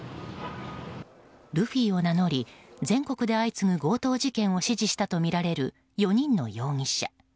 ルフィを名乗り全国で相次ぐ強盗事件を指示したとみられる４人の容疑者。